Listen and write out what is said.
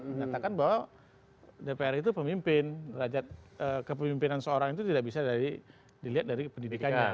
menyatakan bahwa dpr itu pemimpin kemimpinan seorang itu tidak bisa dilihat dari pendidikannya